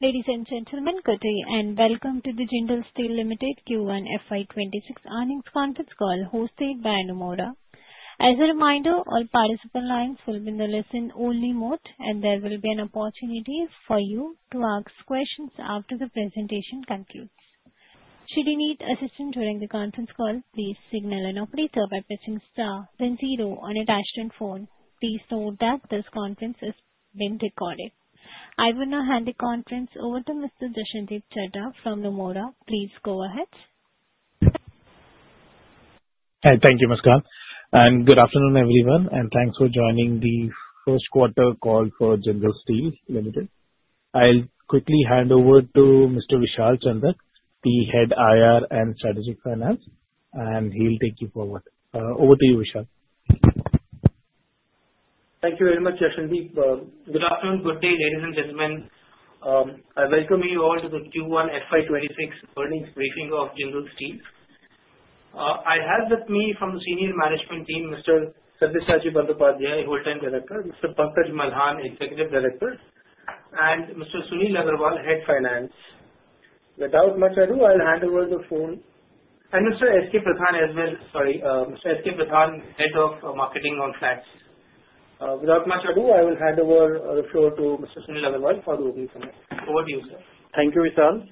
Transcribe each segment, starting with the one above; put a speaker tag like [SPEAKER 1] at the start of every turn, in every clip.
[SPEAKER 1] Ladies and gentlemen, good day, and welcome to the Jindal Steel & Power Q1 FY26 earnings conference call hosted by Nuvama Wealth Management. As a reminder, all participant lines will be in the listen-only mode, and there will be an opportunity for you to ask questions after the presentation concludes. Should you need assistance during the conference call, please signal an operator by pressing star then zero on your dashboard phone. Please note that this conference is being recorded. I will now hand the conference over to Mr. Jashandeep Singh Chadha from Nuvama Wealth Management. Please go ahead.
[SPEAKER 2] Hi, thank you, Ms. Khan. And good afternoon, everyone, and thanks for joining the first quarter call for Jindal Steel & Power. I'll quickly hand over to Mr. Vishal Chandak, the head IR and strategic finance, and he'll take you forward. Over to you, Vishal.
[SPEAKER 3] Thank you very much, Jashandeep. Good afternoon, good day, ladies and gentlemen. I welcome you all to the Q1 FY26 earnings briefing of Jindal Steel. I have with me from the senior management team, Mr. Sabyasachi Bandyopadhyay, whole-time director; Mr. Pankaj Malhan, executive director; and Mr. Sunil Agarwal, head finance. Without much ado, I'll hand over the phone. And Mr. S.K. Pradhan as well. Sorry. Mr. S.K. Pradhan, head of marketing on Flats. Without much ado, I will hand over the floor to Mr. Sunil Agarwal for the opening comment. Over to you, sir. Thank you, Vishal.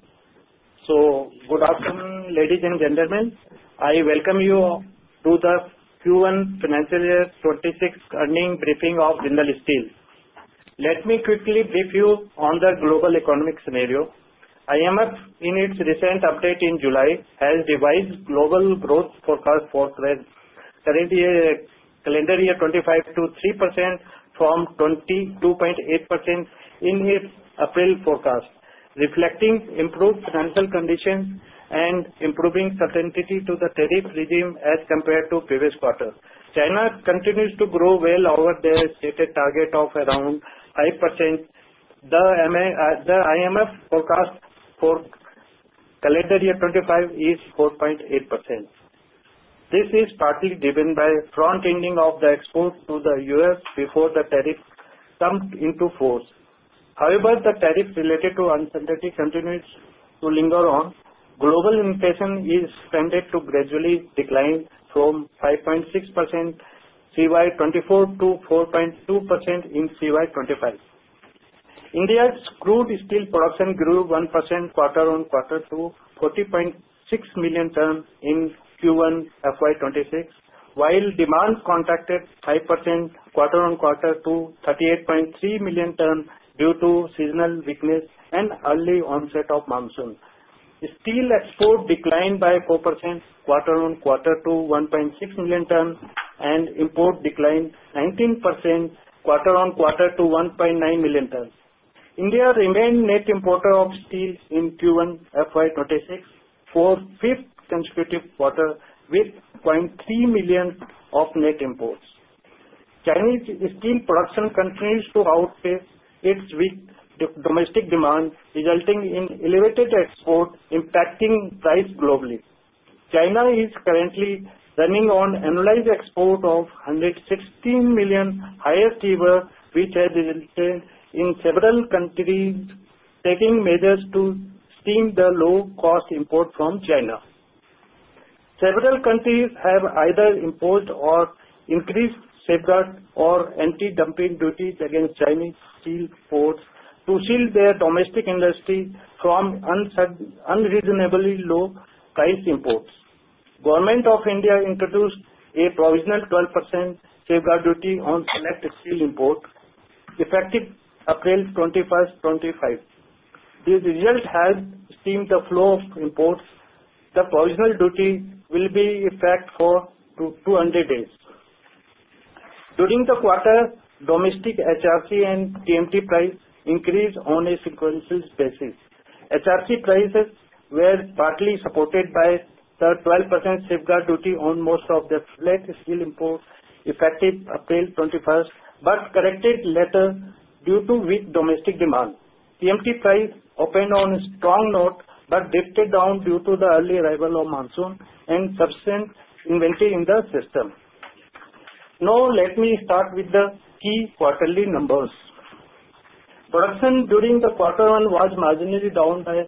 [SPEAKER 3] Good afternoon, ladies and gentlemen. I welcome you to the Q1 Financial Year 2026 earnings briefing of Jindal Steel. Let me quickly brief you on the global economic scenario. IMF, in its recent update in July, has revised global growth forecast for 2025. Current year, calendar year 2025, to 3% from 2.8% in its April forecast, reflecting improved financial conditions and improving certainty to the tariff regime as compared to previous quarter. China continues to grow well over the stated target of around 5%. The IMF forecast for calendar year 2025 is 4.8%. This is partly driven by the front-loading of exports to the U.S. before the tariffs come into force. However, the tariff-related uncertainty continues to linger on. Global inflation is expected to gradually decline from 5.6% CY 2024 to 4.2% in CY 2025. India's crude steel production grew 1% quarter on quarter to 40.6 million tons in Q1 FY 2026, while demand contracted 5% quarter on quarter to 38.3 million tons due to seasonal weakness and early onset of monsoon. Steel export declined by 4% quarter on quarter to 1.6 million tons, and import declined 19% quarter on quarter to 1.9 million tons. India remained the net importer of steel in Q1 FY 2026 for the fifth consecutive quarter, with 0.3 million of net imports. Chinese steel production continues to outpace its domestic demand, resulting in elevated exports impacting prices globally. China is currently running an annualized export of 116 million, highest ever, which has resulted in several countries taking measures to stem the low-cost imports from China. Several countries have either imposed or increased safeguards or anti-dumping duties against Chinese steel exports to shield their domestic industry from unreasonably low price imports. The Government of India introduced a provisional 12% safeguard duty on select steel imports, effective April 21, 2025. This result has stemmed the flow of imports. The provisional duty will be effective for 200 days. During the quarter, domestic HRC and TMT prices increased on a sequential basis. HRC prices were partly supported by the 12% safeguard duty on most of the select steel imports, effective April 21, but corrected later due to weak domestic demand. TMT prices opened on a strong note but drifted down due to the early arrival of monsoon and substantial inventory in the system. Now, let me start with the key quarterly numbers. Production during the quarter one was marginally down by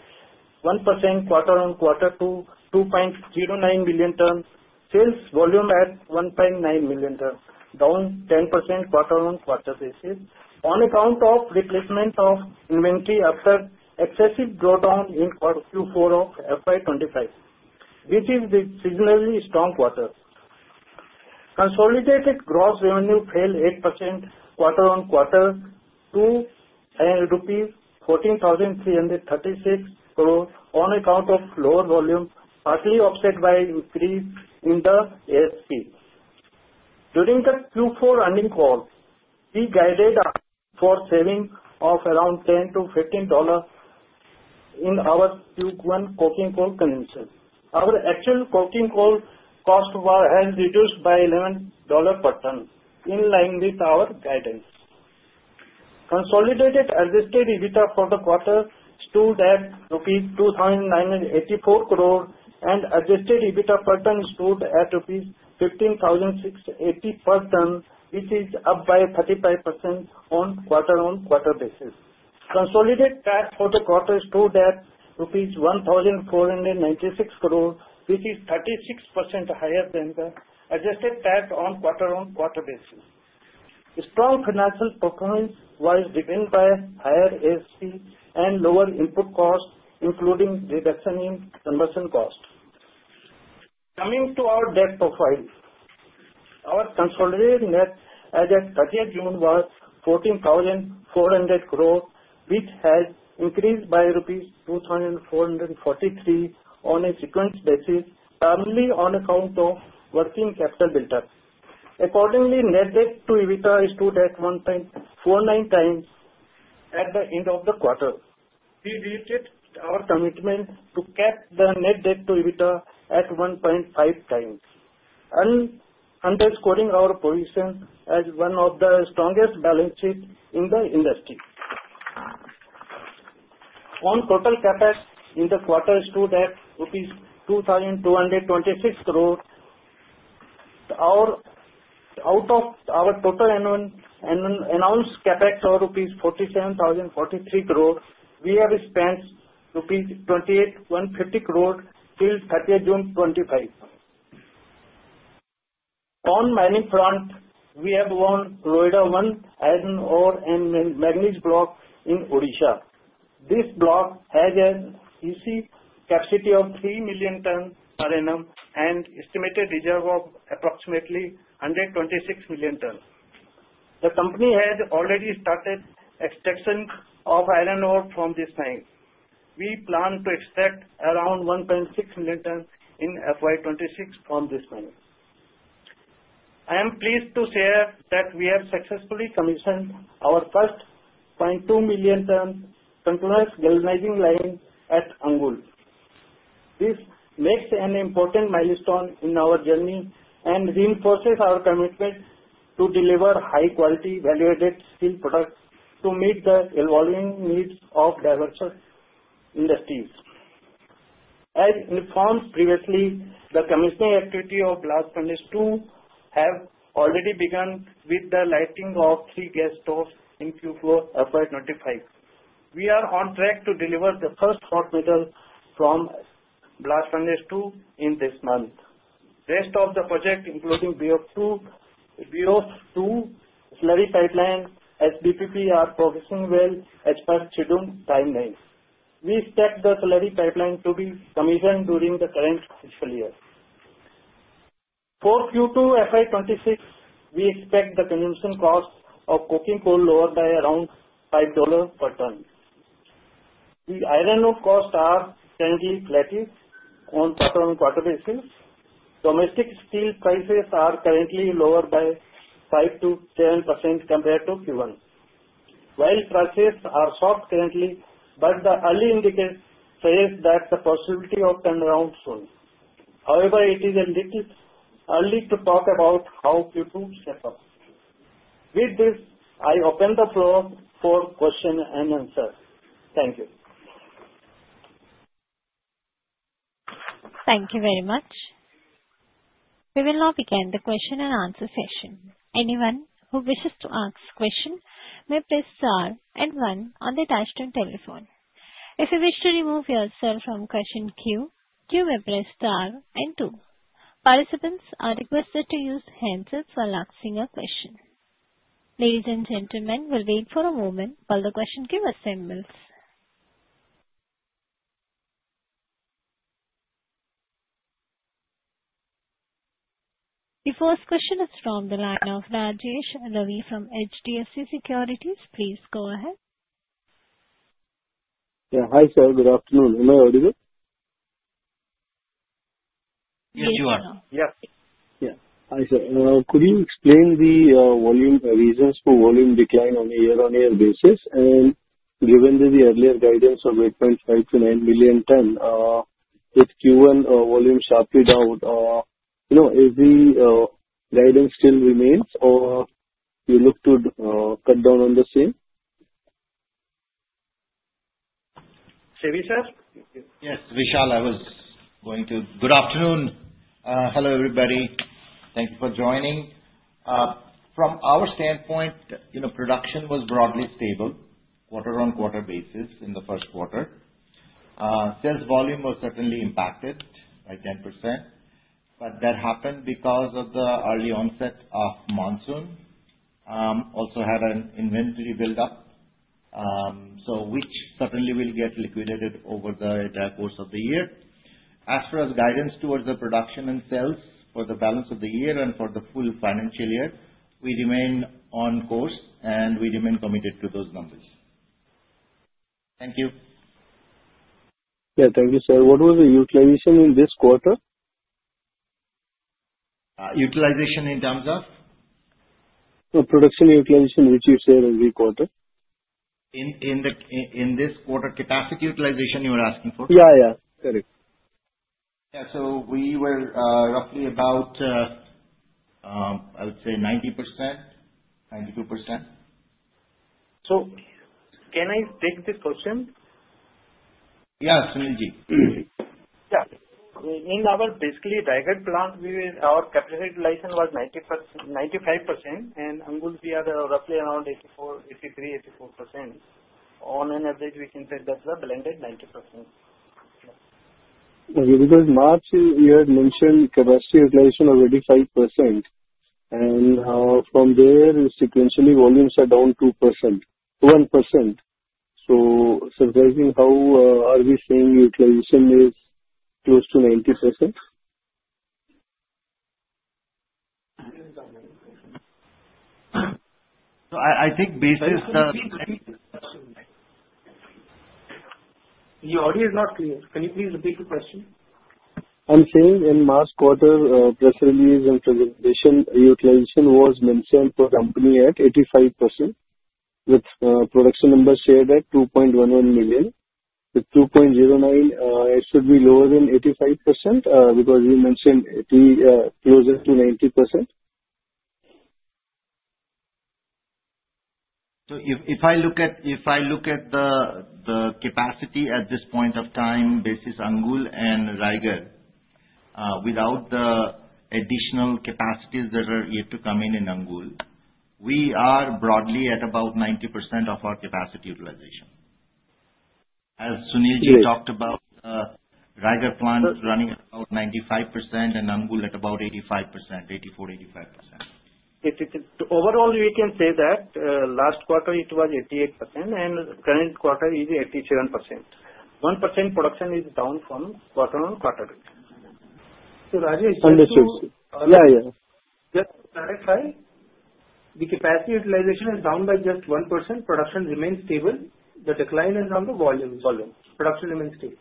[SPEAKER 3] 1% quarter on quarter to 2.09 million tons. Sales volume at 1.9 million tons, down 10% quarter on quarter basis, on account of replacement of inventory after excessive drawdown in Q4 of FY 2025, which is the seasonally strong quarter. Consolidated gross revenue fell 8% quarter on quarter to 14,336 crores on account of lower volume, partly offset by increase in the ASP. During the Q4 earnings call, we guided for saving of around $10-$15 in our Q1 coking coal consumption. Our actual coking coal cost has reduced by $11 per ton, in line with our guidance. Consolidated adjusted EBITDA for the quarter stood at rupees 2,984 crores, and adjusted EBITDA per ton stood at rupees 15,680 per ton, which is up by 35% on quarter on quarter basis. Consolidated tax for the quarter stood at rupees 1,496 crores, which is 36% higher than the adjusted tax on quarter on quarter basis. Strong financial performance was driven by higher ASP and lower input costs, including reduction in conversion cost. Coming to our debt profile, our consolidated net debt as of 30 June was 14,400 crores, which has increased by rupees 2,443 on a sequential basis, primarily on account of working capital build-up. Accordingly, net debt to EBITDA stood at 1.49 times at the end of the quarter. We reiterate our commitment to cap the net debt to EBITDA at 1.5 times, underscoring our position as one of the strongest balance sheets in the industry. On total Capex in the quarter, it stood at rupees 2,226 crores. Out of our total announced Capex of rupees 47,043 crores, we have expensed rupees 28,150 crores till 30 June 2025. On mining front, we have won Roida I as an iron ore and manganese block in Odisha. This block has an EC capacity of 3 million tons per annum and an estimated reserve of approximately 126 million tons. The company has already started extraction of iron ore from this mine. We plan to extract around 1.6 million tons in FY 2026 from this mine. I am pleased to share that we have successfully commissioned our first 0.2 million tons container galvanizing line at Angul. This makes an important milestone in our journey and reinforces our commitment to deliver high-quality, value-added steel products to meet the evolving needs of diverse industries. As informed previously, the commissioning activity of Blast Furnaces II has already begun with the lighting of three gas stoves in Q4 FY 2025. We are on track to deliver the first hot metal from Blast Furnaces II in this month. The rest of the project, including BO2 slurry pipeline and SBPP, are progressing well as per scheduled timelines. We expect the slurry pipeline to be commissioned during the current fiscal year. For Q2 FY26, we expect the consumption cost of coking coal lower by around $5 per ton. The iron ore costs are currently flat on quarter on quarter basis. Domestic steel prices are currently lower by 5%-7% compared to Q1, while prices are soft currently, but the early indicators suggest that the possibility of turnaround is soon. However, it is a little early to talk about how Q2 shapes up. With this, I open the floor for questions and answers. Thank you.
[SPEAKER 1] Thank you very much. We will now begin the question and answer session. Anyone who wishes to ask a question may press star and 1 on the dashboard telephone. If you wish to remove yourself from question queue, you may press star and 2. Participants are requested to use handsets while asking a question. Ladies and gentlemen, we'll wait for a moment while the question queue assembles. The first question is from the line of Rajesh Ravi from HDFC Securities. Please go ahead.
[SPEAKER 4] Yeah. Hi, sir. Good afternoon. Am I audible?
[SPEAKER 5] Yes, you are.
[SPEAKER 4] Yes. Yeah. Hi, sir. Could you explain the reasons for volume decline on a year-on-year basis? And given the earlier guidance of 8.5-9 million ton, with Q1 volume sharply down, is the guidance still remaining, or do you look to cut down on the same?
[SPEAKER 3] Say what, sir?
[SPEAKER 5] Yes. Vishal, I was going to. Good afternoon. Hello, everybody. Thank you for joining. From our standpoint, production was broadly stable quarter on quarter basis in the first quarter. Sales volume was certainly impacted by 10%, but that happened because of the early onset of monsoon. Also, we had an inventory build-up, which certainly will get liquidated over the course of the year. As for guidance towards the production and sales for the balance of the year and for the full financial year, we remain on course, and we remain committed to those numbers. Thank you.
[SPEAKER 4] Yeah. Thank you, sir. What was the utilization in this quarter?
[SPEAKER 5] Utilization in terms of?
[SPEAKER 4] So production utilization, which you said every quarter?
[SPEAKER 5] In this quarter, capacity utilization, you were asking for?
[SPEAKER 4] Yeah, yeah. Correct.
[SPEAKER 5] Yeah. So we were roughly about, I would say, 90%-92%.
[SPEAKER 6] So can I take this question?
[SPEAKER 5] Yeah. Sunil
[SPEAKER 6] Yeah. In our Raigarh plant, our capacity utilization was 95%, and Angul we had roughly around 83-84%. On average, we can say that's a blended 90%.
[SPEAKER 4] Okay. Because March, you had mentioned capacity utilization of 85%, and from there, sequentially, volumes are down 1%. So surprising how are we saying utilization is close to 90%?
[SPEAKER 6] I think basis. Can you please repeat the question? Your audio is not clear. Can you please repeat the question?
[SPEAKER 4] I'm saying in March quarter press release and presentation, utilization was mentioned for the company at 85%, with production numbers shared at 2.11 million. With 2.09, it should be lower than 85% because you mentioned closer to 90%.
[SPEAKER 5] If I look at the capacity at this point of time, basis Angul and Raigarh, without the additional capacities that are yet to come in in Angul, we are broadly at about 90% of our capacity utilization. As Sunil talked about, Raigarh plant running at about 95% and Angul at about 84%-85%.
[SPEAKER 6] Overall, we can say that last quarter it was 88%, and current quarter is 87%. 1% production is down from quarter on quarter.
[SPEAKER 4] Understood. Yeah, yeah.
[SPEAKER 6] Just to clarify, the capacity utilization is down by just 1%. Production remains stable. The decline is on the volume. Production remains stable.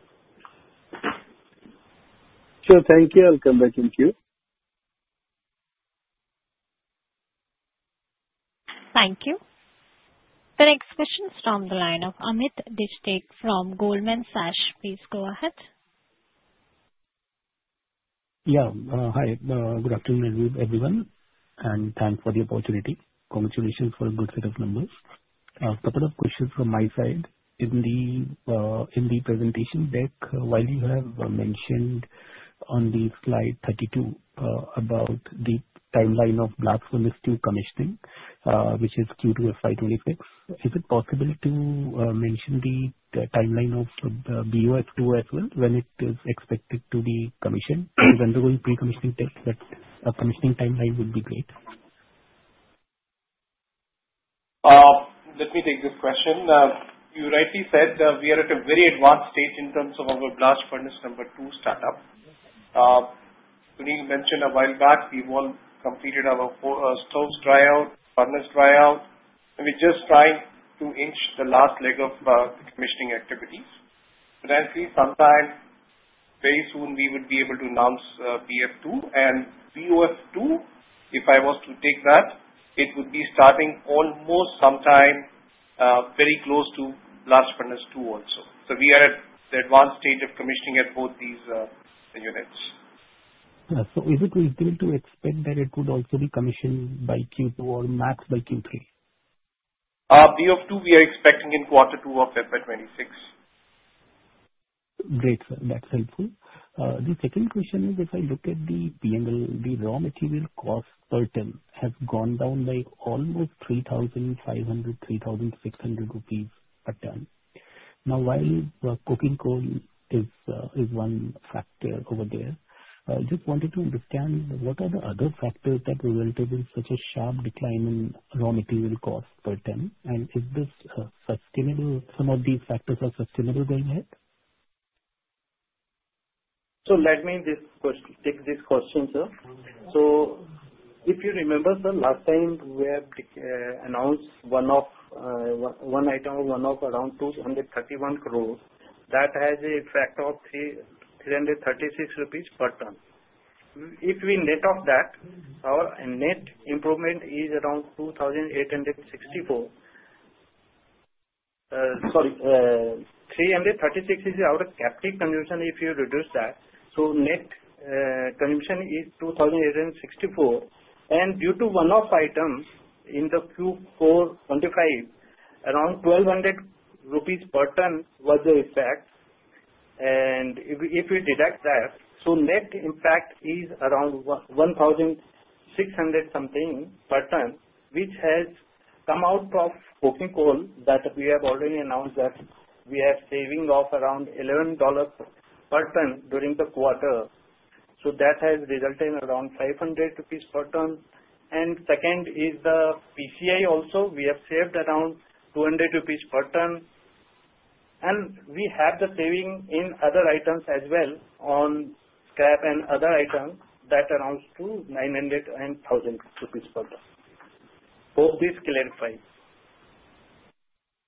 [SPEAKER 4] Sure. Thank you. I'll come back in queue.
[SPEAKER 1] Thank you. The next question is from the line of Amit Dixit from Goldman Sachs. Please go ahead.
[SPEAKER 7] Yeah. Hi. Good afternoon, everyone. And thanks for the opportunity. Congratulations for a good set of numbers. A couple of questions from my side in the presentation deck. While you have mentioned on the slide 32 about the timeline of Blast Furnace II commissioning, which is Q2 FY 2026, is it possible to mention the timeline of BOF2 as well when it is expected to be commissioned? There's undergoing pre-commissioning tests, but a commissioning timeline would be great.
[SPEAKER 3] Let me take this question. You rightly said we are at a very advanced stage in terms of our Blast Furnace II startup. Sunil mentioned a while back we've all completed our stoves dry out, furnace dry out. We're just trying to in the last leg of the commissioning activities. So that means sometime very soon we would be able to announce BOF2. And BOF2, if I was to take that, it would be starting almost sometime very close to Blast Furnace II also. So we are at the advanced stage of commissioning at both these units.
[SPEAKER 7] So is it likely to expand that it would also be commissioned by Q2 or max by Q3?
[SPEAKER 3] BOF2 we are expecting in quarter two of FY26.
[SPEAKER 7] Great, sir. That's helpful. The second question is if I look at the raw material costs per ton, it has gone down by almost 3,500-3,600 rupees per ton. Now, while coking coal is one factor over there, I just wanted to understand what are the other factors that resulted in such a sharp decline in raw material costs per ton? And is this sustainable? Some of these factors are sustainable going ahead?
[SPEAKER 6] So let me take this question, sir. So if you remember, sir, last time we announced one item of around 231 crores that has a factor of 336 rupees per ton. If we net off that, our net improvement is around 2,864. Sorry. 336 is our captive consumption if you reduce that. So net consumption is 2,864. And due to one-off item in the Q4 2025, around 1,200 rupees per ton was the effect. And if we deduct that, so net impact is around 1,600 something per ton, which has come out of coking coal that we have already announced that we are saving off around $11 per ton during the quarter. So that has resulted in around 500 rupees per ton. And second is the PCI also. We have saved around 200 rupees per ton. We have the saving in other items as well on scrap and other items that amounts to 900 and 1,000 rupees per ton. Hope this clarifies.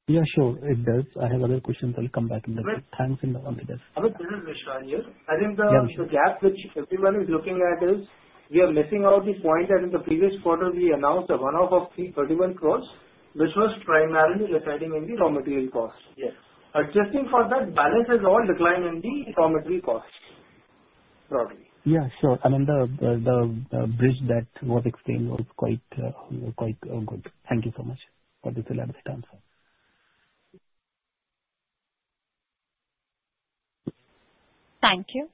[SPEAKER 7] Yeah, sure. It does. I have other questions. I'll come back in a bit. Thanks in advance, sir.
[SPEAKER 3] Amit, this is Vishal here. I think the gap which everyone is looking at is we are missing out the point that in the previous quarter, we announced a one-off of 331 crores, which was primarily residing in the raw material costs. Adjusting for that, balance has all declined in the raw material costs broadly.
[SPEAKER 7] Yeah, sure. I mean, the bridge that was explained was quite good. Thank you so much for this elaborate answer.
[SPEAKER 1] Thank you.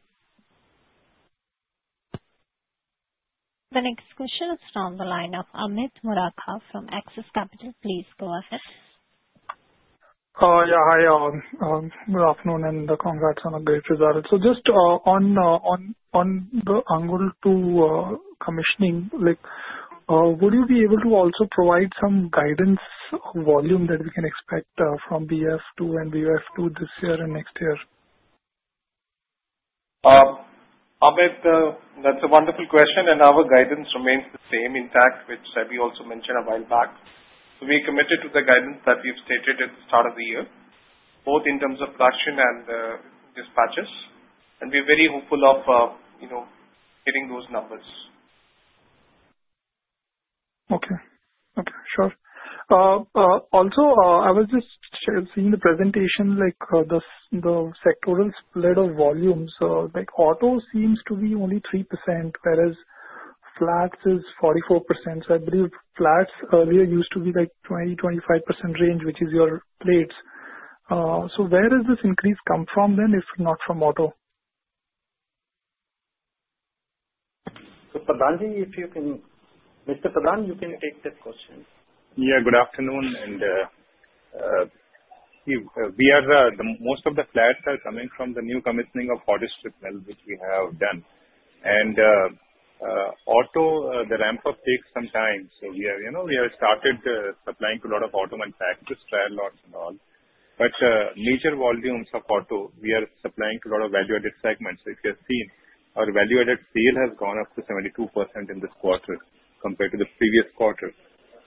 [SPEAKER 1] The next question is from the line of Amit Murarka from Axis Capital. Please go ahead.
[SPEAKER 8] Yeah. Hi, good afternoon, and congrats on a great result. So just on the Angul II commissioning, would you be able to also provide some guidance volume that we can expect from BOF2 and BOF2 this year and next year?
[SPEAKER 3] Amit, that's a wonderful question. And our guidance remains the same, in fact, which Sabi also mentioned a while back. So we committed to the guidance that we've stated at the start of the year, both in terms of production and dispatches. And we're very hopeful of hitting those numbers.
[SPEAKER 8] Okay. Okay. Sure. Also, I was just seeing the presentation, the sectoral split of volumes. Auto seems to be only 3%, whereas flats is 44%. So I believe flats earlier used to be like 20-25% range, which is your plates. So where does this increase come from then, if not from auto?
[SPEAKER 3] So, Pradhan, if you can, Mr. Pradhan, you can take this question.
[SPEAKER 9] Yeah. Good afternoon. Most of the flats are coming from the new commissioning of the hot strip mill, which we have done. The ramp-up takes some time. So we have started supplying to a lot of auto manufacturers, trial lots and all. But major volumes to auto, we are supplying to a lot of value-added segments. If you have seen, our value-added sales has gone up to 72% in this quarter compared to the previous quarter.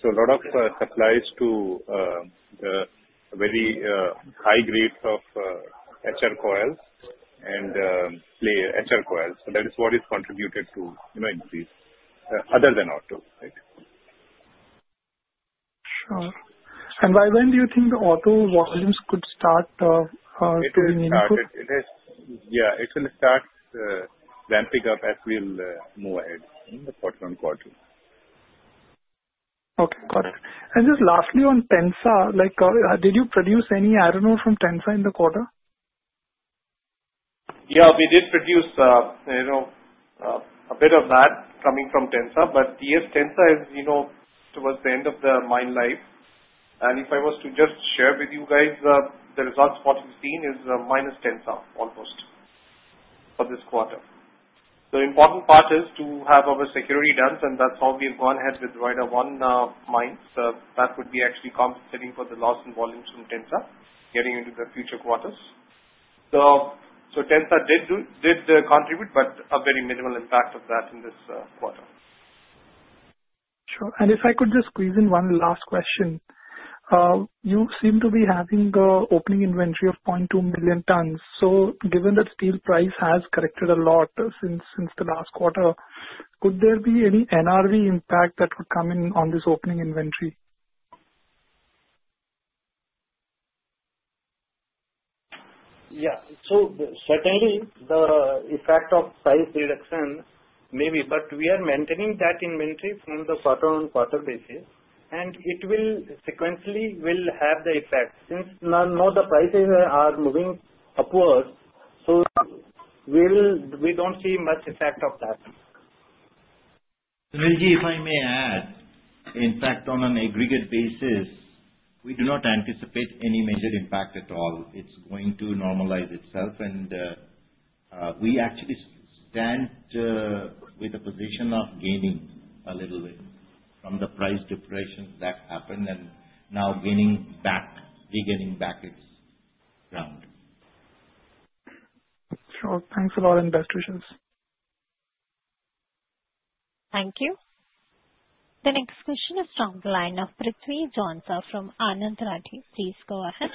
[SPEAKER 9] So a lot of supplies to the very high grades of HR coils and HR coils. So that is what has contributed to the increase, other than auto, right?
[SPEAKER 8] Sure. And by when do you think the auto volumes could start to be meaningful?
[SPEAKER 9] It will start. Yeah. It will start ramping up as we'll move ahead in the quarter on quarter.
[SPEAKER 8] Okay. Got it. And just lastly on Tensa, did you produce any iron ore from Tensa in the quarter?
[SPEAKER 3] Yeah. We did produce a bit of that coming from Tensa, but yes, Tensa is towards the end of the mine life, and if I was to just share with you guys, the results of what we've seen is minus Tensa almost for this quarter. The important part is to have our security done, and that's how we have gone ahead with Roida I mines. That would be actually compensating for the loss in volumes from Tensa getting into the future quarters, so Tensa did contribute, but a very minimal impact of that in this quarter.
[SPEAKER 8] Sure. And if I could just squeeze in one last question, you seem to be having the opening inventory of 0.2 million tons. So given that steel price has corrected a lot since the last quarter, could there be any NRV impact that would come in on this opening inventory?
[SPEAKER 6] Yeah, so certainly, the effect of price reduction may be, but we are maintaining that inventory from the quarter on quarter basis, and it will sequentially have the effect since now the prices are moving upward, so we don't see much effect of that.
[SPEAKER 5] Sunil, if I may add, in fact, on an aggregate basis, we do not anticipate any major impact at all. It's going to normalize itself. And we actually stand with a position of gaining a little bit from the price depression that happened and now regaining back its ground.
[SPEAKER 8] Sure. Thanks a lot for the questions.
[SPEAKER 1] Thank you. The next question is from the line of Prithviraj from Anand Rathi. Please go ahead.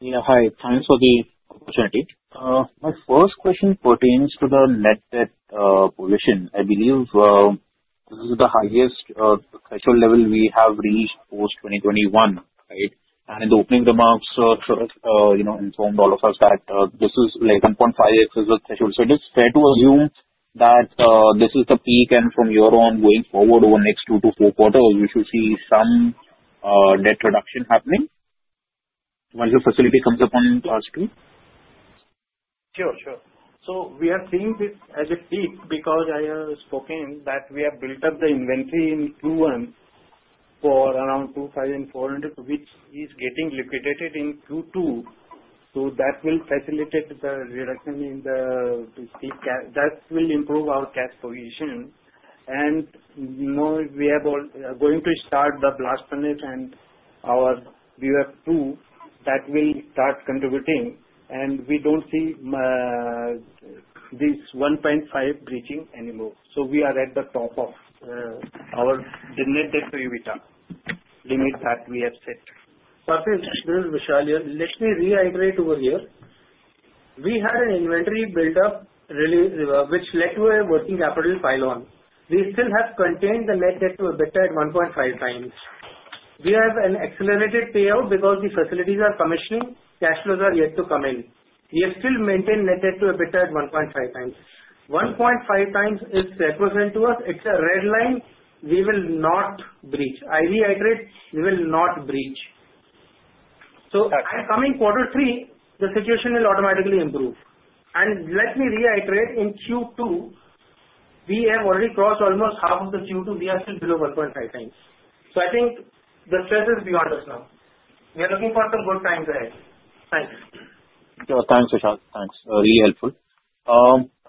[SPEAKER 10] Yeah. Hi. Thanks for the opportunity. My first question pertains to the Net Debt position. I believe this is the highest threshold level we have reached post 2021, right, and the opening remarks informed all of us that this is like 1.5x is the threshold, so it is fair to assume that this is the peak and from here on going forward over the next two to four quarters, we should see some debt reduction happening once the facility comes upon us too.
[SPEAKER 6] Sure, sure. So we are seeing this as a peak because I have spoken that we have built up the inventory in Q1 for around 2,400, which is getting liquidated in Q2. So that will facilitate the reduction in the peak. That will improve our cash position. And now we are going to start the blast furnaces and our BOF 2 that will start contributing. And we don't see this 1.5x breaching anymore. So we are at the top of our net debt to EBITDA limit that we have set.
[SPEAKER 3] Perfect. This is Vishal here. Let me reiterate over here. We had an inventory buildup, which led to a working capital balloon. We still have contained the net debt to EBITDA at 1.5x. We have an accelerated capex because the facilities are commissioning. Cash flows are yet to come in. We still maintained net debt to EBITDA at 1.5x. 1.5x is represented to us. It's a red line. We will not breach. I reiterate, we will not breach. So I'm coming quarter three. The situation will automatically improve. And let me reiterate, in Q2, we have already crossed almost half of the Q2. We are still below 1.5x. So I think the stress is beyond us now. We are looking for some good times ahead. Thanks.
[SPEAKER 10] Yeah. Thanks, Vishal. Thanks. Really helpful.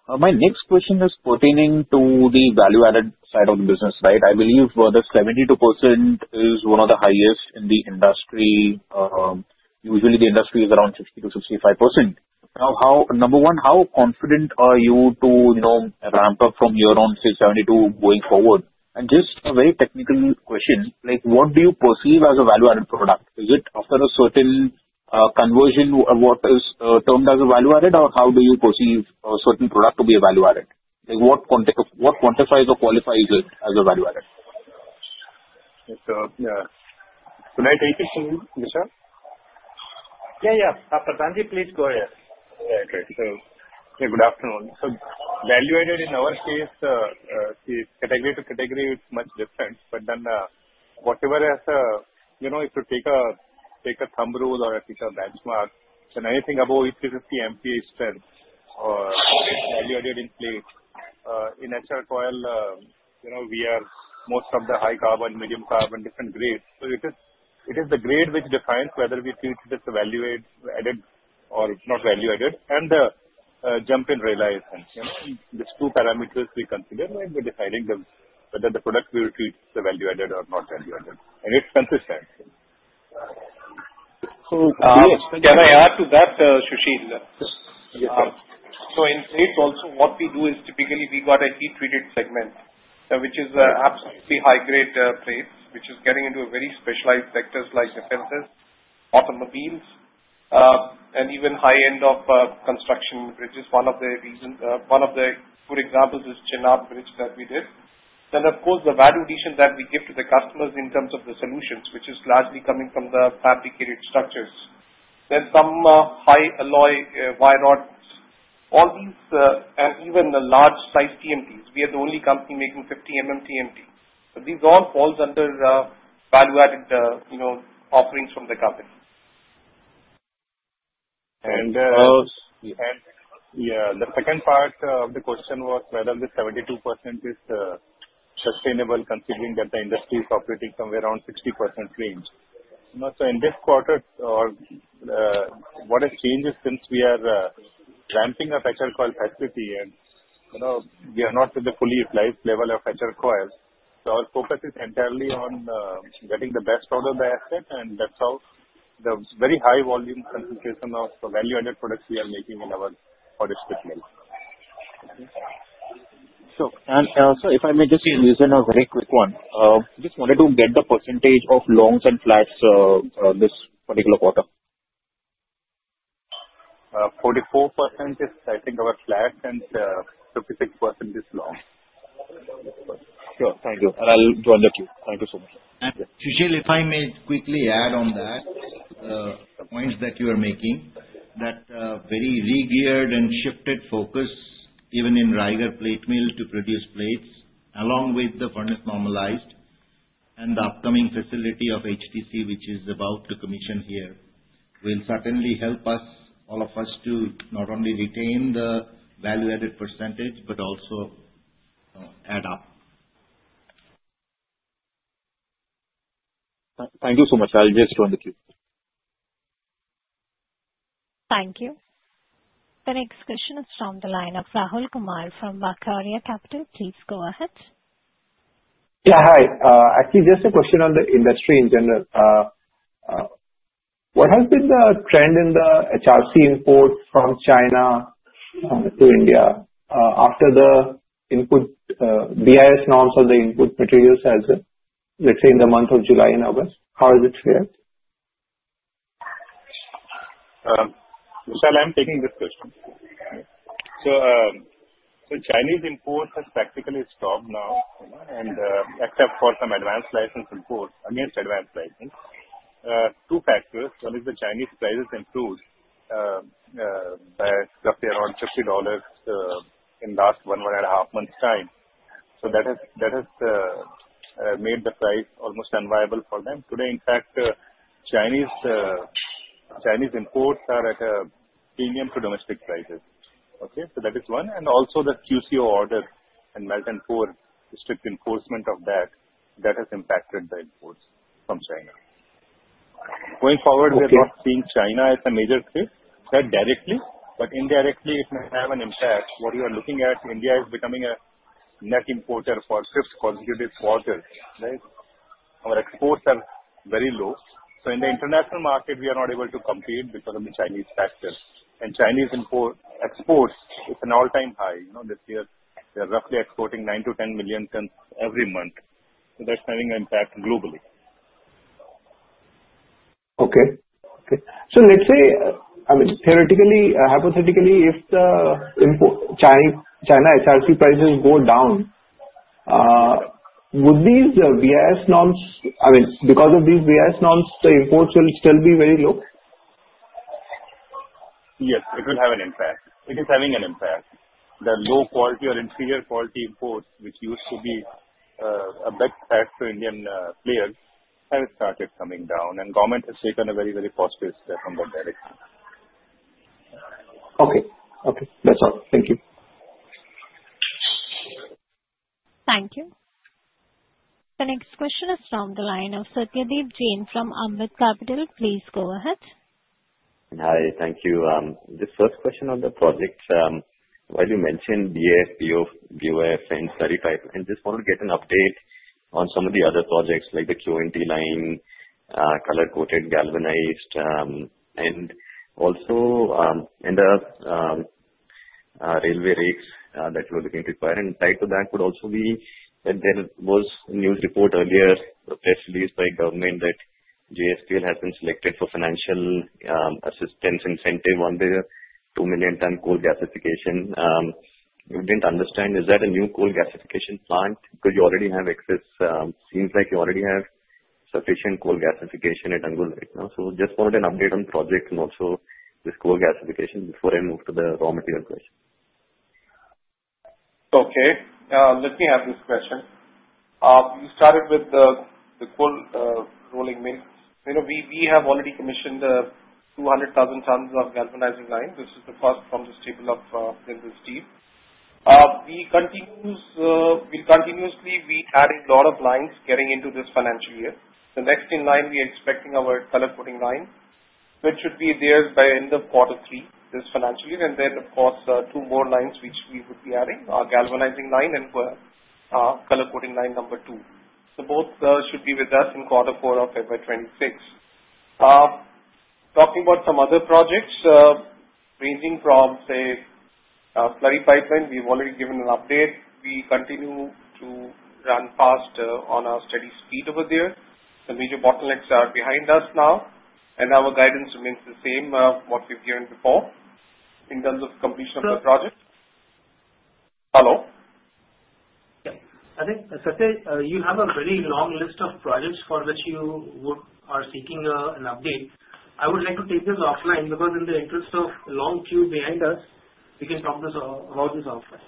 [SPEAKER 10] My next question is pertaining to the value-added side of the business, right? I believe the 72% is one of the highest in the industry. Usually, the industry is around 60%-65%. Now, number one, how confident are you to ramp up from here on, say, 72 going forward? And just a very technical question. What do you perceive as a value-added product? Is it, after a certain conversion, what is termed as a value-added, or how do you perceive a certain product to be a value-added? What quantifies or qualifies it as a value-added?
[SPEAKER 9] Yeah. Could I take it, Vishal?
[SPEAKER 3] Yeah, yeah. Pradhan, please go ahead.
[SPEAKER 9] Right, right. So yeah, good afternoon. So value-added in our case, category to category, it's much different. But then whatever has a, if you take a thumb rule or a benchmark, then anything above 80 to 500 MPa strength or value-added in plates, in HR coil, we are most of the high carbon, medium carbon, different grades. So it is the grade which defines whether we treat it as a value-added or not value-added. And the jump in realization. These two parameters we consider when we're deciding whether the product we will treat is value-added or not value-added. And it's consistent.
[SPEAKER 3] So can I add to that, Shushil? So in plates, also, what we do is typically we got a heat-treated segment, which is absolutely high-grade plates, which is getting into very specialized sectors like defenses, automobiles, and even high-end of construction. Which is one of the reasons. One of the good examples is Chenab Bridge that we did. Then, of course, the value addition that we give to the customers in terms of the solutions, which is largely coming from the fabricated structures. Then some high alloy wire rods. All these and even the large-sized TMTs. We are the only company making 50 TMT. So these all falls under value-added offerings from the company.
[SPEAKER 10] The second part of the question was whether the 72% is sustainable, considering that the industry is operating somewhere around 60% range. So in this quarter, what has changed is since we are ramping up HR coil facility, and we are not at the fully utilized level of HR coils. So our focus is entirely on getting the best out of the asset. And that's how the very high volume concentration of value-added products we are making in our auto strip mill. Also, if I may just use a very quick one, just wanted to get the percentage of longs and flats this particular quarter.
[SPEAKER 9] 44% is, I think, our flats, and 56% is longs.
[SPEAKER 10] Sure. Thank you. And I'll join the queue. Thank you so much.
[SPEAKER 5] Sushil, if I may quickly add to that, the points that you are making, that we re-geared and shifted focus, even in Raigarh plate mill, to produce plates, along with the furnace normalizer and the upcoming facility of HRC, which is about to commission here, will certainly help all of us to not only retain the value-added percentage, but also add up.
[SPEAKER 10] Thank you so much. I'll just join the queue.
[SPEAKER 1] Thank you. The next question is from the line of Rahul Kumar from Vakharia Capital. Please go ahead.
[SPEAKER 11] Yeah. Hi. Actually, just a question on the industry in general. What has been the trend in the HRC import from China to India after the BIS norms on the input materials as of, let's say, in the month of July and August? How has it fared?
[SPEAKER 6] Vishal, I'm taking this question. So Chinese imports have practically stopped now, except for some advanced license imports against advanced license. Two factors. One is the Chinese prices improved by roughly around $50 in the last one and a half months' time. So that has made the price almost unviable for them. Today, in fact, Chinese imports are at premium to domestic prices. Okay? So that is one. And also the QCO order and Melt and Pour strict enforcement of that, that has impacted the imports from China. Going forward, we are not seeing China as a major threat directly, but indirectly, it may have an impact. What you are looking at, India is becoming a net importer for fifth consecutive quarter, right? Our exports are very low. So in the international market, we are not able to compete because of the Chinese factor. Chinese exports, it's an all-time high. This year, they are roughly exporting nine to 10 million tons every month. That's having an impact globally.
[SPEAKER 11] Okay. So let's say, I mean, theoretically, hypothetically, if China HRC prices go down, would these BIS norms I mean, because of these BIS norms, the imports will still be very low?
[SPEAKER 6] Yes, it will have an impact. It is having an impact. The low quality or inferior quality imports, which used to be a big factor for Indian players, have started coming down. And government has taken a very, very positive step on that direction.
[SPEAKER 11] Okay. Okay. That's all. Thank you.
[SPEAKER 1] Thank you. The next question is from the line of Satyadeep Jain from Ambit Capital. Please go ahead.
[SPEAKER 12] Hi. Thank you. The first question on the project, while you mentioned BIS, BOF, and slurry pipeline, I just wanted to get an update on some of the other projects like the Q&T line, color-coated, galvanized, and also in the railway rails that we were looking to acquire. And tied to that would also be that there was a news report earlier, press release by government, that JSPL has been selected for financial assistance incentive on the 2 million ton coal gasification. We didn't understand, is that a new coal gasification plant? Because you already have excess, seems like you already have sufficient coal gasification at Angul right now. So just wanted an update on the project and also this coal gasification before I move to the raw material question.
[SPEAKER 3] Okay. Let me ask this question. We started with the cold rolling mill. We have already commissioned 200,000 tons of galvanizing line. This is the first from the stable of JSPL. We continuously had a lot of lines getting into this financial year. The next in line, we are expecting our color-coated line, which should be there by end of quarter three this financial year. And then, of course, two more lines which we would be adding, our galvanizing line and color-coated line number two. So both should be with us in quarter four of FY26. Talking about some other projects ranging from, say, slurry pipeline, we've already given an update. We continue to run fast on our steady speed over there. The major bottlenecks are behind us now. And our guidance remains the same of what we've given before in terms of completion of the project.
[SPEAKER 11] Hello?
[SPEAKER 3] Yeah. I think, Satyadeep, you have a very long list of projects for which you are seeking an update. I would like to take this offline because in the interest of a long queue behind us, we can talk about this offline.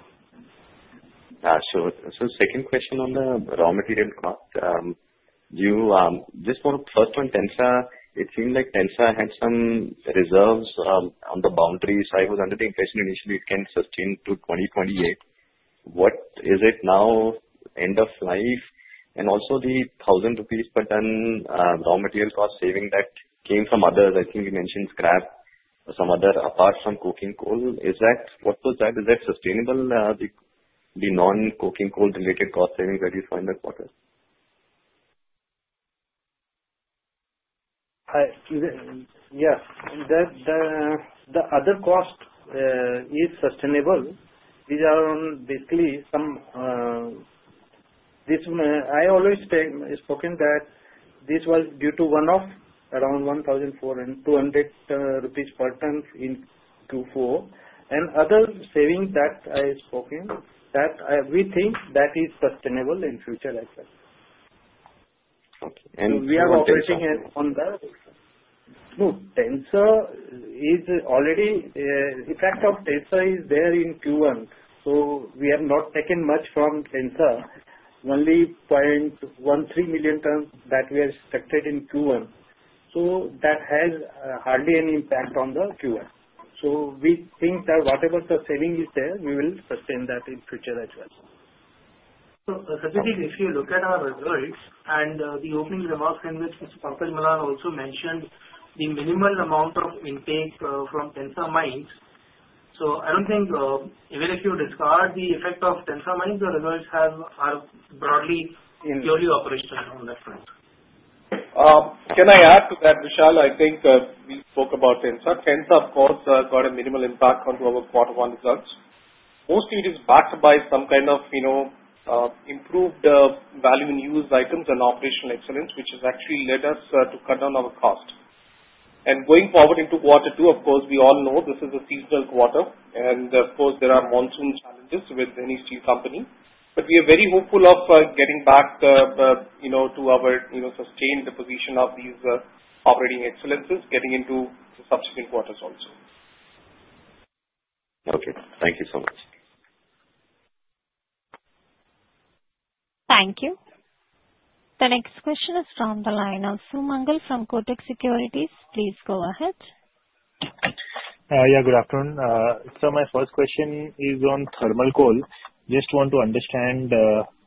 [SPEAKER 12] Sure. So second question on the raw material cost. Just want to first on Tensa. It seemed like Tensa had some reserves on the boundary. So I was under the impression initially it can sustain to 2028. What is it now, end of life? And also the 1,000 rupees per ton raw material cost saving that came from others. I think you mentioned scrap, some other apart from coking coal. What was that? Is that sustainable, the non-coking coal related cost savings that you saw in the quarter?
[SPEAKER 3] Yes. The other cost is sustainable. These are basically some I always spoken that this was due to one-off, around 1,400 rupees per ton in Q4. And other savings that I spoken that we think that is sustainable in future, I think. So we are operating on the no, Tensa is already effect of Tensa is there in Q1. So we have not taken much from Tensa, only 0.13 million tons that we are expected in Q1. So that has hardly any impact on the Q1. So we think that whatever the saving is there, we will sustain that in future as well. So Satyadeep, if you look at our results and the opening remarks in which Mr. Pankaj Malhan also mentioned the minimal amount of intake from Tensa mines, so I don't think even if you discard the effect of Tensa mines, the results are broadly purely operational on that front.
[SPEAKER 6] Can I add to that, Vishal? I think we spoke about Tensa. Tensa, of course, got a minimal impact on our quarter one results. Mostly, it is backed by some kind of improved value in used items and operational excellence, which has actually led us to cut down our cost. And going forward into quarter two, of course, we all know this is a seasonal quarter. And of course, there are monsoon challenges with any steel company. But we are very hopeful of getting back to our sustained position of these operating excellences, getting into subsequent quarters also.
[SPEAKER 11] Okay. Thank you so much.
[SPEAKER 1] Thank you. The next question is from the line of Sumangal from Kotak Securities. Please go ahead.
[SPEAKER 13] Yeah, good afternoon. So my first question is on thermal coal. Just want to understand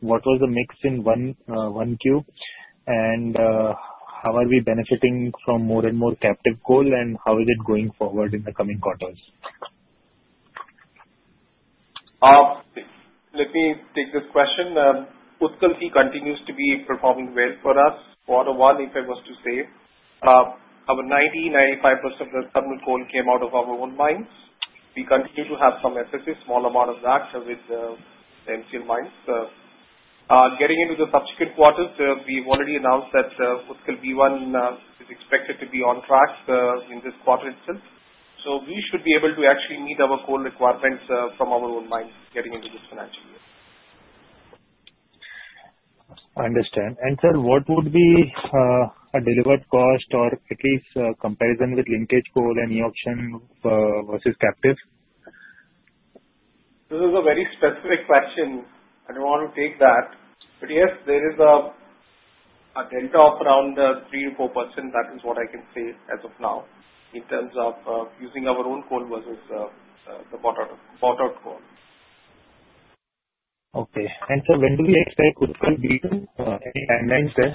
[SPEAKER 13] what was the mix in Q1 and how are we benefiting from more and more captive coal and how is it going forward in the coming quarters?
[SPEAKER 3] Let me take this question. Utkal C continues to be performing well for us. Quarter one, if I was to say, our 90%-95% of the thermal coal came out of our own mines. We continue to have some efficiency, small amount of that with the MCL mines. Getting into the subsequent quarters, we've already announced that Utkal B1 is expected to be on track in this quarter itself. So we should be able to actually meet our coal requirements from our own mines getting into this financial year.
[SPEAKER 13] I understand. And sir, what would be a delivered cost or at least comparison with linkage coal, any option versus captive?
[SPEAKER 3] This is a very specific question. I don't want to take that. But yes, there is a delta of around 3%-4%. That is what I can say as of now in terms of using our own coal versus the bought-out coal.
[SPEAKER 13] Okay, and sir, when do we expect Utkal B2? Any timelines there?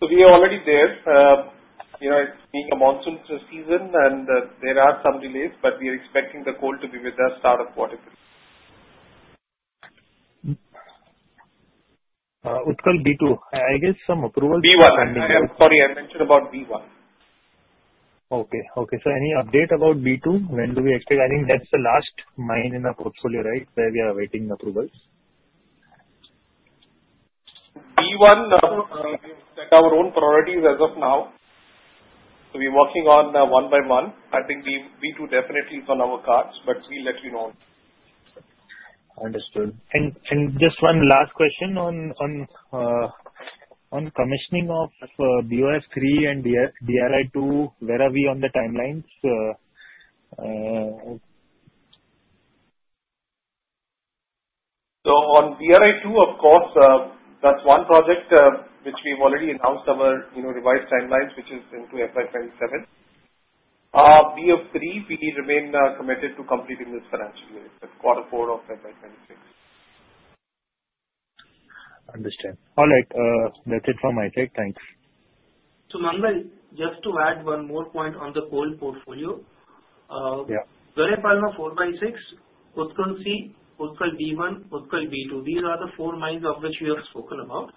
[SPEAKER 3] So we are already there. It's being a monsoon season, and there are some delays, but we are expecting the coal to be with us out of quarter.
[SPEAKER 13] Utkal B2. I guess some approvals are pending.
[SPEAKER 3] B1. Sorry, I mentioned about B1.
[SPEAKER 13] Okay. So any update about B2? When do we expect? I think that's the last mine in the portfolio, right, where we are awaiting approvals?
[SPEAKER 3] B1, we've set our own priorities as of now. So we're working on one by one. I think B2 definitely is on our cards, but we'll let you know.
[SPEAKER 13] Understood. And just one last question on commissioning of BOF 3 and DRI 2, where are we on the timelines?
[SPEAKER 3] So on BRI 2, of course, that's one project which we've already announced our revised timelines, which is into FY27. BOF 3, we remain committed to completing this financial year. It's quarter four of FY26.
[SPEAKER 13] Understood. All right. That's it from my side. Thanks.
[SPEAKER 9] Sumangal, just to add one more point on the coal portfolio. Gare Palma IV/6, Utkal C, Utkal B1, Utkal B2. These are the four mines of which we have spoken about.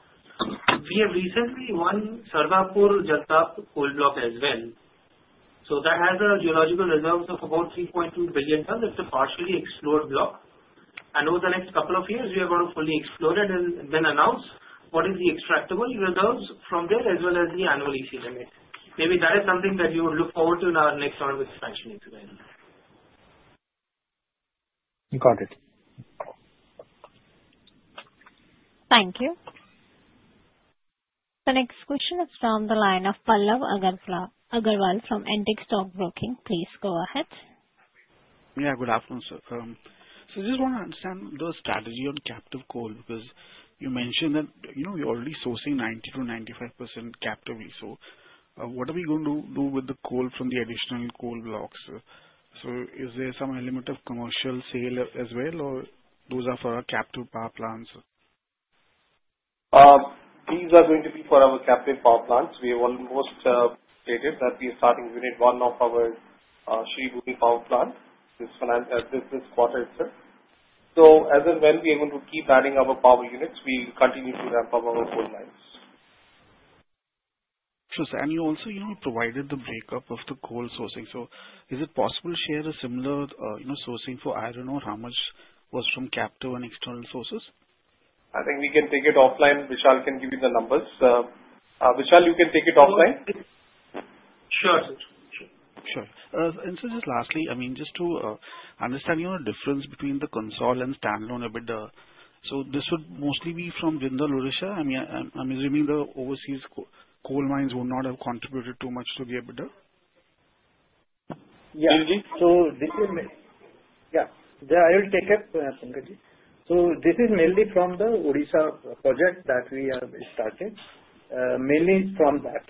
[SPEAKER 9] We have recently won Sarvapur Jaltap coal block as well. So that has a geological reserve of about 3.2 billion tons. It's a partially explored block, and over the next couple of years, we are going to fully explore it and then announce what is the extractable reserves from there as well as the annual EC limit. Maybe that is something that you would look forward to in our next round of expansion into that.
[SPEAKER 13] Got it.
[SPEAKER 1] Thank you. The next question is from the line of Pallav Agarwal from Antique Stock Broking. Please go ahead.
[SPEAKER 14] Yeah, good afternoon, sir. So I just want to understand the strategy on captive coal because you mentioned that we're already sourcing 90%-95% captively. So what are we going to do with the coal from the additional coal blocks? So is there some element of commercial sale as well, or those are for our captive power plants?
[SPEAKER 5] These are going to be for our captive power plants. We have almost stated that we are starting unit one of our Simhapuri power plant this quarter itself. So as and when we are going to keep adding our power units, we will continue to ramp up our coal mines.
[SPEAKER 14] Sure, sir. And you also provided the break-up of the coal sourcing. So is it possible to share a similar sourcing for iron ore? How much was from captive and external sources?
[SPEAKER 5] I think we can take it offline. Vishal can give you the numbers. Vishal, you can take it offline.
[SPEAKER 3] Sure, sir.
[SPEAKER 14] Sure. And sir, just lastly, I mean, just to understand the difference between the consolidated and standalone EBITDA, so this would mostly be from Jindal Urusha? I mean, I'm assuming the overseas coal mines would not have contributed too much to the EBITDA?
[SPEAKER 3] Yeah. Yeah. I will take it, Pankaj, so this is mainly from the Odisha project that we have started, mainly from that.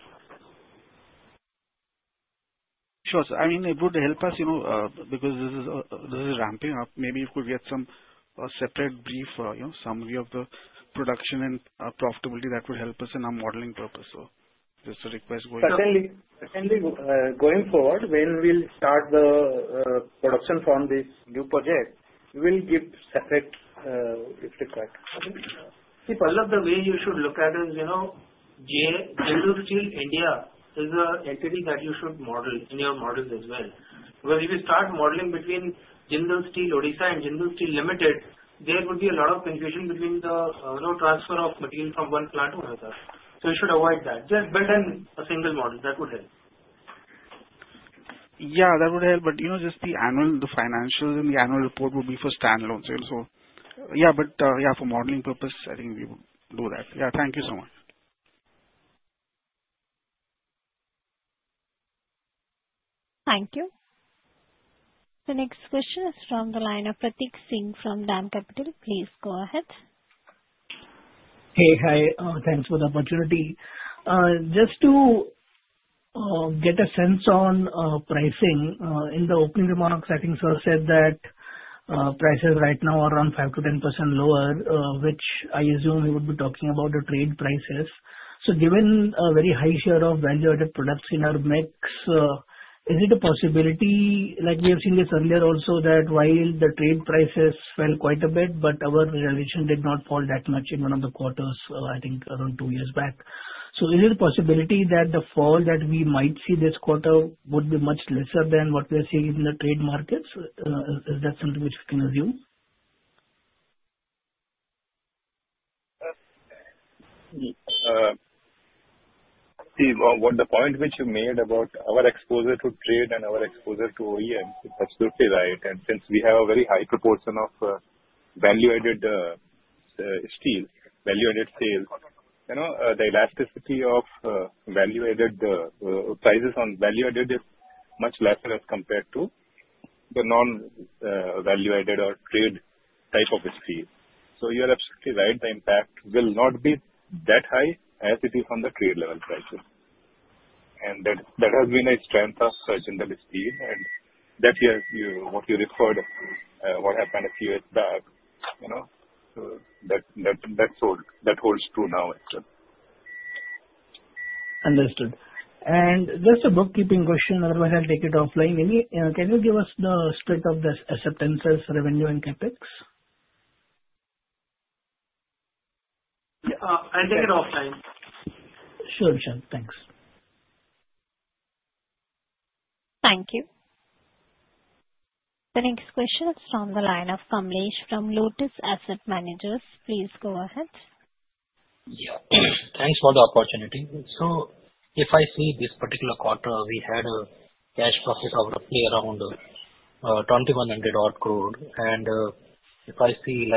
[SPEAKER 14] Sure, sir. I mean, it would help us because this is ramping up. Maybe if we get some separate brief summary of the production and profitability, that would help us in our modeling purpose. So just a request going forward.
[SPEAKER 3] Certainly. Certainly going forward, when we'll start the production from this new project, we will give separate if required. See, Pallav, the way you should look at it is Jindal Steel India is an entity that you should model in your models as well. Because if you start modeling between Jindal Steel Odisha and Jindal Steel Limited, there would be a lot of confusion between the transfer of material from one plant to another. So you should avoid that. Just build a single model. That would help.
[SPEAKER 14] Yeah, that would help. But just the annual, the financials and the annual report would be for standalone sales. So yeah, but yeah, for modeling purpose, I think we would do that. Yeah, thank you so much.
[SPEAKER 1] Thank you. The next question is from the line of Pratik Singh from DAM Capital. Please go ahead.
[SPEAKER 15] Hey, hi. Thanks for the opportunity. Just to get a sense on pricing, in the opening remarks, I think sir said that prices right now are around 5%-10% lower, which I assume we would be talking about the trade prices. So given a very high share of value-added products in our mix, is it a possibility? We have seen this earlier also that while the trade prices fell quite a bit, but our realization did not fall that much in one of the quarters, I think around two years back. So is it a possibility that the fall that we might see this quarter would be much lesser than what we are seeing in the trade markets? Is that something which we can assume?
[SPEAKER 9] See, the point which you made about our exposure to trade and our exposure to OEMs is absolutely right. And since we have a very high proportion of value-added steel, value-added sales, the elasticity of value-added prices on value-added is much lesser as compared to the non-value-added or trade type of steel. So you are absolutely right. The impact will not be that high as it is on the trade-level prices. And that has been a strength of Jindal Steel. And that, what you referred to, what happened a few years back, that holds true now as well.
[SPEAKER 15] Understood. And just a bookkeeping question, otherwise I'll take it offline. Can you give us the split of the acceptances, revenue, and CapEx?
[SPEAKER 3] Yeah, I'll take it offline.
[SPEAKER 15] Sure, sir. Thanks.
[SPEAKER 1] Thank you. The next question is from the line of Kamlesh from Lotus Asset Managers. Please go ahead.
[SPEAKER 16] Yeah. Thanks for the opportunity. So if I see this particular quarter, we had a cash profit of roughly around 2,100 odd crore. And if I see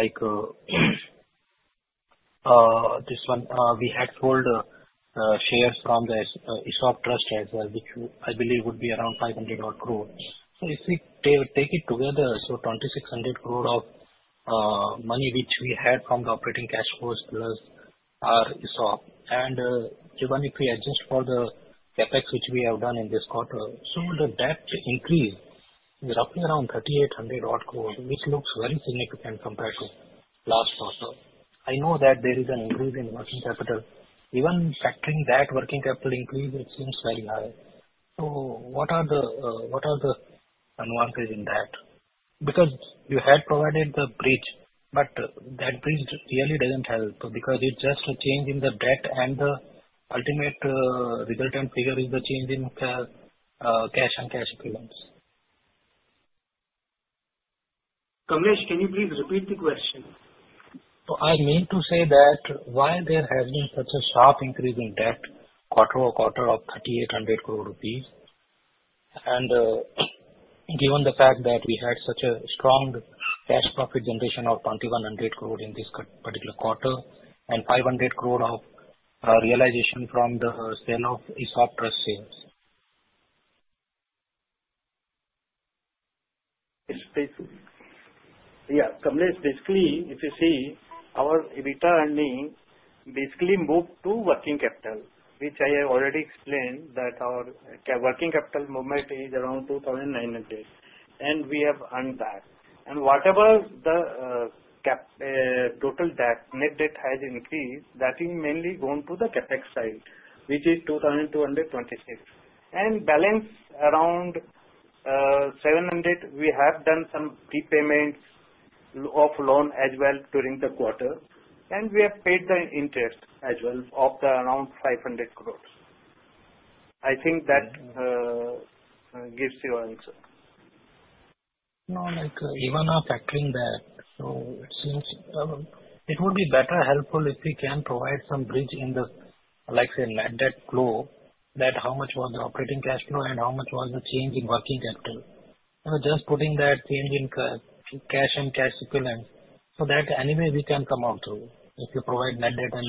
[SPEAKER 16] this one, we had sold shares from the ESOP trust as well, which I believe would be around 500 odd crore. So if we take it together, so 2,600 crore of money which we had from the operating cash flows plus our ESOP. And even if we adjust for the CapEx which we have done in this quarter, so that increase is roughly around 3,800 odd crore, which looks very significant compared to last quarter. I know that there is an increase in working capital. Even factoring that working capital increase, it seems very high. So what are the advantages in that? Because you had provided the bridge, but that bridge really doesn't help because it's just a change in the debt, and the ultimate resultant figure is the change in cash and cash equivalence.
[SPEAKER 3] Kamlesh, can you please repeat the question?
[SPEAKER 16] So I mean to say that why there has been such a sharp increase in debt quarter over quarter of 3,800 crore rupees? And given the fact that we had such a strong cash profit generation of 2,100 crore in this particular quarter and 500 crore of realization from the sale of ESOP trust sales.
[SPEAKER 3] Yeah. Kamlesh, basically, if you see, our EBITDA earning basically moved to working capital, which I have already explained that our working capital movement is around 2,900. And we have earned that. And whatever the total debt, net debt has increased, that is mainly going to the CapEx side, which is 2,226. And balance around 700, we have done some repayments of loan as well during the quarter. And we have paid the interest as well of around 500 crores. I think that gives your answer.
[SPEAKER 16] No, even factoring that, so it would be better helpful if we can provide some bridge in the, let's say, net debt flow, that how much was the operating cash flow and how much was the change in working capital. Just putting that change in cash and cash equivalents so that anyway we can come out through if you provide net debt and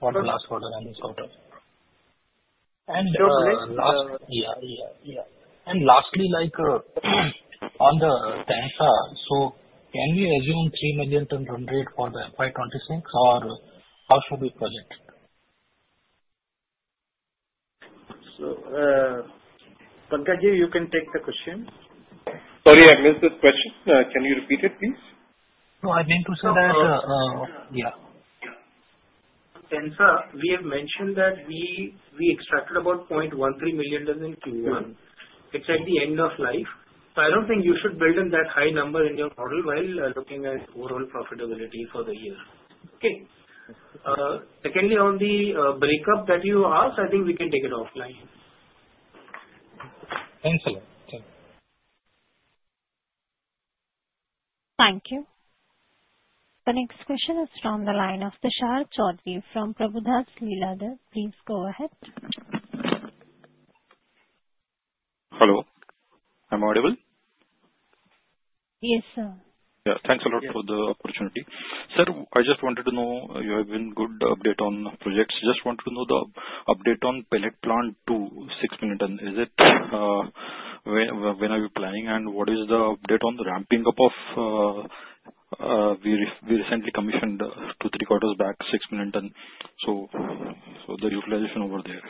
[SPEAKER 16] for the last quarter and this quarter. And last.
[SPEAKER 3] Sure, please.
[SPEAKER 16] Yeah, yeah, yeah, and lastly, on the Tensa, so can we assume three million turnover rate for the FY26, or how should we project it?
[SPEAKER 3] Pankaj, you can take the question.
[SPEAKER 5] Sorry, I missed this question. Can you repeat it, please?
[SPEAKER 16] No, I mean to say that.
[SPEAKER 9] Sure.
[SPEAKER 5] Yeah. Tensa, we have mentioned that we extracted about 0.13 million in Q1. It's at the end of life. So I don't think you should build in that high number in your model while looking at overall profitability for the year. Okay. Secondly, on the breakup that you asked, I think we can take it offline.
[SPEAKER 16] Thanks, sir. Thanks.
[SPEAKER 1] Thank you. The next question is from the line of Tushar Chaudhari from Prabhudas Lilladher. Please go ahead.
[SPEAKER 17] Hello. I'm audible?
[SPEAKER 1] Yes, sir.
[SPEAKER 17] Yeah. Thanks a lot for the opportunity. Sir, I just wanted to know if you have a good update on projects. Just wanted to know the update on the pellet plant to 6 million ton. So when are you planning, and what is the update on the ramping up of the one we recently commissioned two to three quarters back, 6 million ton? So the utilization over there.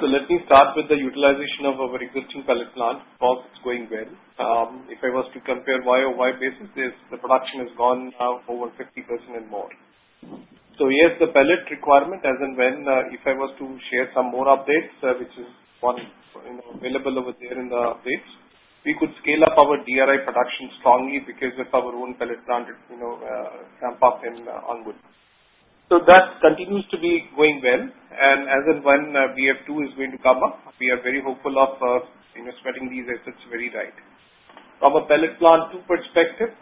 [SPEAKER 3] So let me start with the utilization of our existing pellet plant. Cost is going well. If I was to compare YOY basis, the production has gone over 50% and more. So yes, the pellet requirement as and when, if I was to share some more updates, which is available over there in the updates, we could scale up our DRI production strongly because of our own pellet plant ramp-up in Angul. So that continues to be going well. And as and when BF2 is going to come up, we are very hopeful of spreading these assets very tight. From a pellet plant perspective,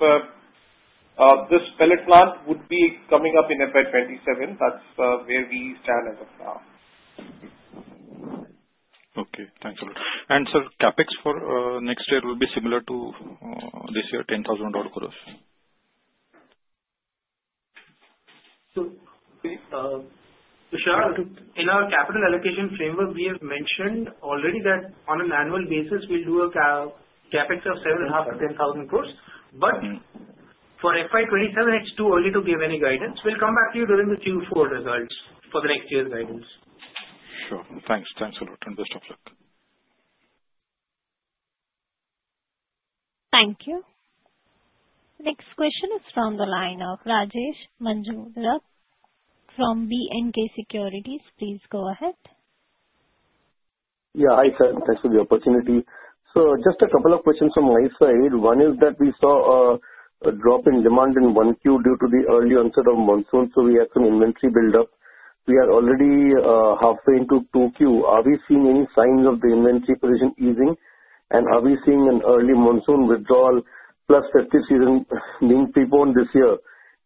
[SPEAKER 3] this pellet plant would be coming up in FY27. That's where we stand as of now.
[SPEAKER 17] Okay. Thanks a lot. And sir, CapEx for next year will be similar to this year, 10,000 odd crores?
[SPEAKER 6] Tushar, in our capital allocation framework, we have mentioned already that on an annual basis, we'll do a CapEx of 7,500-10,000 crores. But for FY27, it's too early to give any guidance. We'll come back to you during the Q4 results for the next year's guidance.
[SPEAKER 17] Sure. Thanks. Thanks a lot. And best of luck.
[SPEAKER 1] Thank you. The next question is from the line of Rajesh Majumdar from BNK Securities. Please go ahead.
[SPEAKER 18] Yeah, hi sir. Thanks for the opportunity. So just a couple of questions from my side. One is that we saw a drop in demand in Q2 due to the early onset of monsoon. So we had some inventory buildup. We are already halfway into 2Q. Are we seeing any signs of the inventory position easing? And are we seeing an early monsoon withdrawal plus festive season being preponed this year,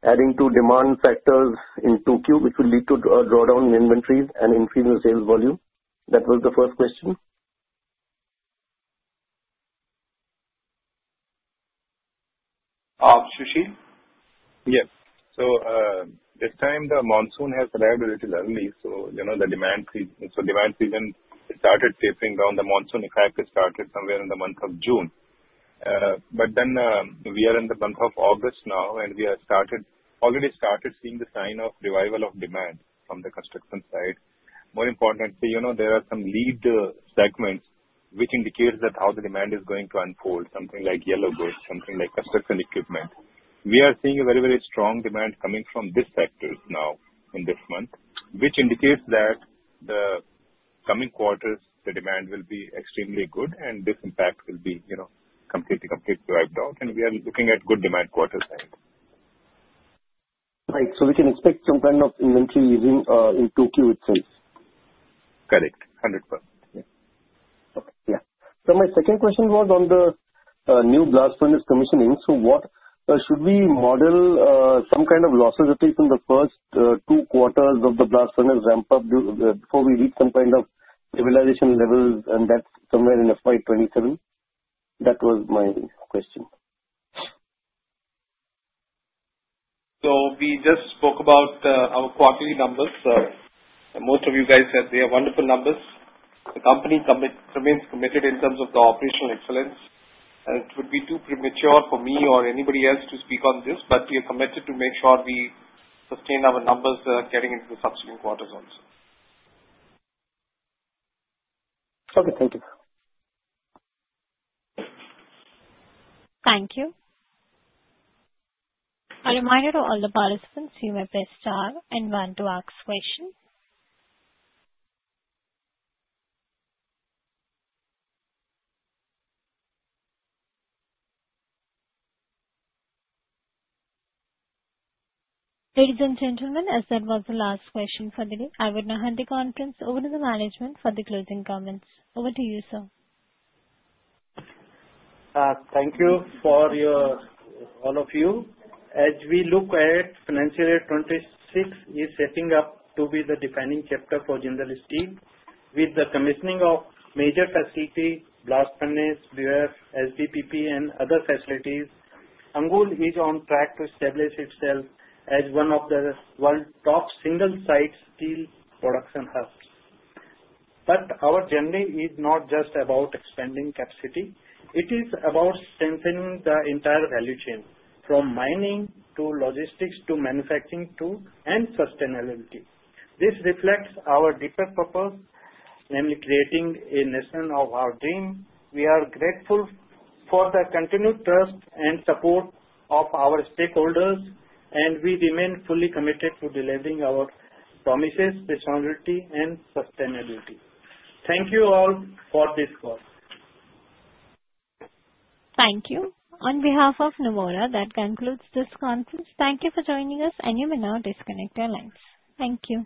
[SPEAKER 18] adding to demand factors in Q2, which will lead to a drawdown in inventory and increase in sales volume? That was the first question.
[SPEAKER 3] Sushil?
[SPEAKER 9] Yes. So this time, the monsoon has arrived a little early. So the demand season started tapering down. The monsoon effect started somewhere in the month of June. But then we are in the month of August now, and we have already started seeing the sign of revival of demand from the construction side. More importantly, there are some lead segments which indicate that how the demand is going to unfold, something like yellow goods, something like construction equipment. We are seeing a very, very strong demand coming from these sectors now in this month, which indicates that the coming quarters, the demand will be extremely good, and this impact will be completely, completely wiped out. And we are looking at good demand quarter side.
[SPEAKER 18] Right. So we can expect some kind of inventory easing in Q2 itself.
[SPEAKER 9] Correct. 100%.
[SPEAKER 18] Yeah. So my second question was on the new blast furnace commissioning. So should we model some kind of losses at least in the first two quarters of the blast furnace ramp-up before we reach some kind of stabilization levels and that's somewhere in FY27? That was my question.
[SPEAKER 3] So we just spoke about our quarterly numbers. Most of you guys said they are wonderful numbers. The company remains committed in terms of the operational excellence. And it would be too premature for me or anybody else to speak on this, but we are committed to make sure we sustain our numbers getting into the subsequent quarters also.
[SPEAKER 18] Okay. Thank you.
[SPEAKER 1] Thank you. A reminder to all the participants to use the mute button if you want to ask a question. Ladies and gentlemen, as that was the last question for the day, I would now hand the conference over to the management for the closing comments. Over to you, sir.
[SPEAKER 3] Thank you for all of you. As we look at financial year 26, it's setting up to be the defining chapter for Jindal Steel with the commissioning of major facilities, blast furnace, BF, SBPP, and other facilities. Angul is on track to establish itself as one of the world's top single-site steel production hubs. But our journey is not just about expanding capacity. It is about strengthening the entire value chain, from mining to logistics to manufacturing to sustainability. This reflects our deeper purpose, namely creating a nation of our dream. We are grateful for the continued trust and support of our stakeholders, and we remain fully committed to delivering our promises, responsibility, and sustainability. Thank you all for this call.
[SPEAKER 1] Thank you. On behalf of Nuvama, that concludes this conference. Thank you for joining us, and you may now disconnect your lines. Thank you.